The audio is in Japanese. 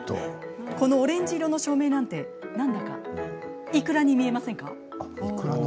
このオレンジ色の照明なんてなんだかいくらに見えませんか？